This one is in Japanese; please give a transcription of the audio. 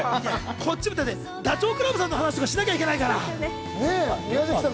こっちもダチョウ倶楽部さんの話とかしなきゃいけないから。ねぇ？宮崎さん。